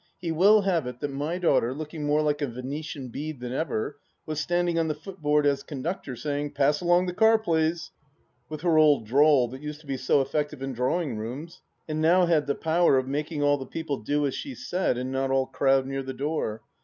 He will have it that my daughter — looking more like a " Venetian Bead " than ever — ^was standing on the footboard as conductor, saying, " Pass along the car, please 1 " with her old drawl that used to be so effective in drawing rooms and now had the power of making all the people do as she said and not all crowd near the door.